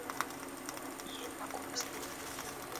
Я не могу заснуть.